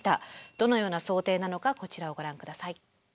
どのような想定なのかこちらをご覧下さい。